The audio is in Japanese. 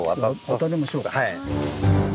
渡りましょう。